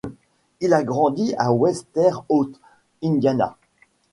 Il a grandi à West Terre Haute, Indiana.